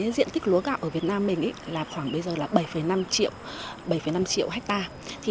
diện tích lúa gạo ở việt nam mình khoảng bây giờ là bảy năm triệu hectare